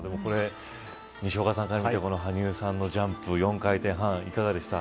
西岡さん、羽生さんのジャンプ４回転半、いかがでしたか。